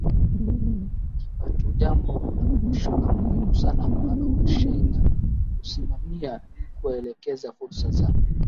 kipatoJambo la mwisho na muhimu sana ambalo washenga husimamia ni kuelekeza fursa za